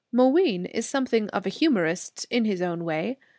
Mooween is something of a humorist in his own way.